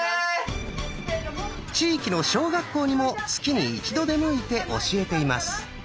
地域の小学校にも月に一度出向いて教えています。